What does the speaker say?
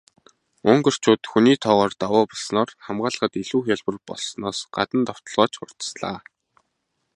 Унгарчууд хүний тоогоор давуу болсноороо хамгаалахад илүү хялбар болсноос гадна довтолгоо ч хурдаслаа.